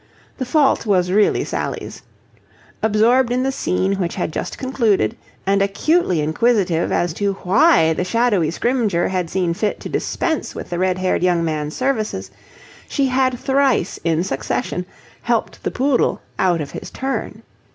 The fault was really Sally's. Absorbed in the scene which had just concluded and acutely inquisitive as to why the shadowy Scrymgeour had seen fit to dispense with the red haired young man's services, she had thrice in succession helped the poodle out of his turn.